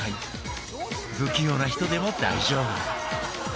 不器用な人でも大丈夫！